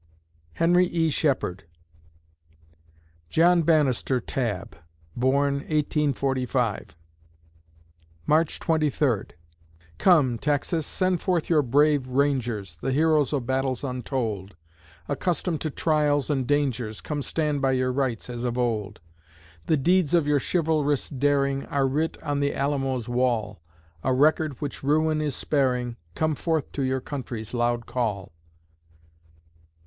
HENRY E. SHEPHERD John Banister Tabb born, 1845 March Twenty Third Come, Texas! send forth your brave Rangers, The heroes of battles untold Accustomed to trials and dangers, Come stand by your rights as of old; The deeds of your chivalrous daring Are writ on the Alamo's wall, A record which ruin is sparing Come forth to your country's loud call!